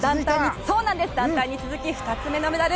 団体に続き２つ目のメダル。